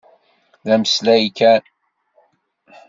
D ameslay kan.